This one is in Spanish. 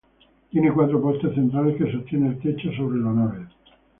Tiene cuatro postes centrales que sostienen el techo sobre la nave.